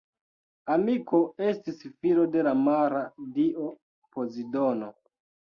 Amiko estis filo de la mara dio Pozidono.